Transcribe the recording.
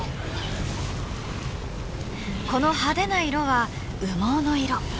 この派手な色は羽毛の色。